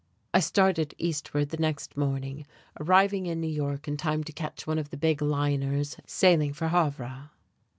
I started eastward the next morning, arriving in New York in time to catch one of the big liners sailing for Havre.